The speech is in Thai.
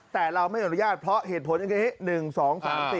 แต่เราไม่อนุญาตเพราะเหตุผลอย่างนี้